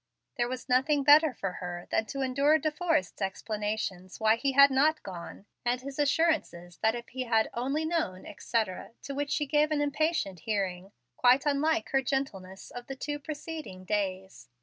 There was nothing better for her than to endure De Forrest's explanations why he had not gone, and his assurances that if he had "only known, etc."; to which she gave an impatient hearing, quite unlike her gentleness of the two preceding days.